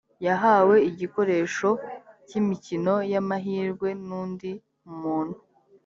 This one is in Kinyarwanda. yahawe igikoresho cy ‘imikino y’ amahirwe n’undi muntu.